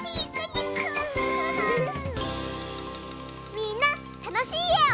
みんなたのしいえを。